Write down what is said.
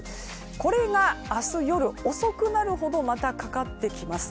これが明日夜遅くなるほどまたかかってきます。